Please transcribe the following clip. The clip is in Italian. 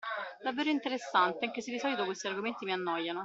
Davvero interessante, anche se di solito questi argomenti mi annoiano.